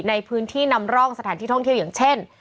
ในพื้นที่นำร่องสถานที่ท่องเที่ยวอย่างเช่น